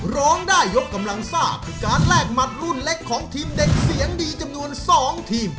ร้องได้ยกกำลังซ่าคือการแลกหมัดรุ่นเล็กของทีมเด็กเสียงดีจำนวน๒ทีม